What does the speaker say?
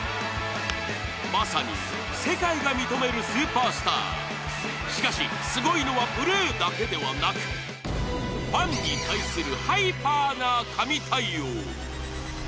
まさに世界が認めるスーパースター、しかし、すごいのはプレーだけではなくファンに対するハイパーな神対応。